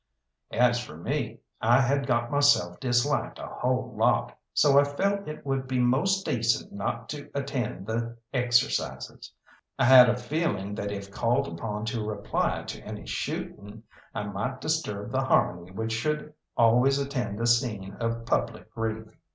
As for me, I had got myself disliked a whole lot, so I felt it would be most decent not to attend the exercises. I had a feeling that if called upon to reply to any shooting, I might disturb the harmony which should always attend a scene of public grief.